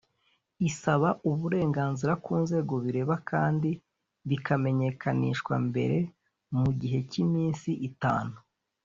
isaba uburenganzira ku nzego bireba kandi bikamenyekanishwa mbere mu gihe cy’iminsi itanu